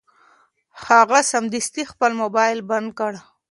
هغه سمدستي خپل مبایل بند کړ.